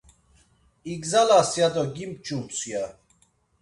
İgzalas ya do gimç̌ums, ya.